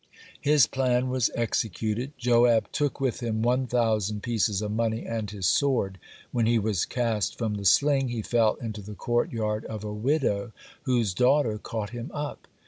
His plan was executed. Joab took with him one thousand pieces of money and his sword. When he was cast from the sling, he fell into the courtyard of a widow, whose daughter caught him up.